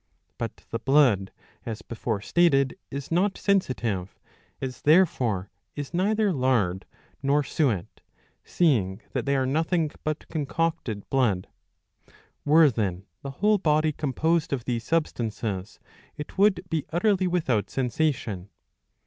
''' But the blood, as before stated, is not sensitive ; as therefore is neither lard nor suet, seeing that they are nothing but concocted blood. Were then the whole body composed of these substances, it would be utterly without sensation.